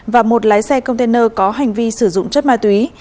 và một lái xe container có hành vi sử dụng chất ma túy